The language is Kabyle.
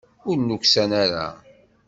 Ur nuksan ara.